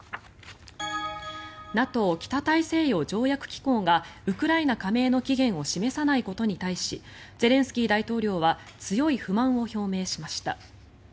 ＮＡＴＯ・北大西洋条約機構がウクライナ加盟の期限を示さないことに対しゼレンスキー大統領は強い不満を表明しました。